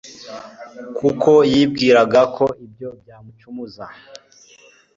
kuko yibwiraga ko ibyo byamucumuza.